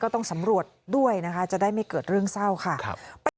ต้องสำรวจด้วยนะคะจะได้ไม่เกิดเรื่องเศร้าค่ะ